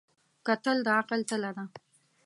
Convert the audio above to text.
کتل د عقل تله ده